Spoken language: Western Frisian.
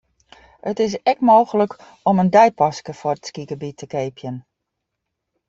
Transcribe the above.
It is ek mooglik om in deipaske foar it skygebiet te keapjen.